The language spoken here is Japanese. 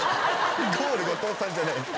ゴール後藤さんじゃない。